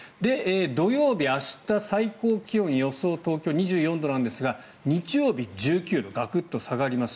土曜日、明日、最高気温予想、東京２４度なんですが日曜日、１９度ガクッと下がります。